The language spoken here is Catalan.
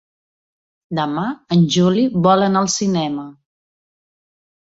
Demà en Juli vol anar al cinema.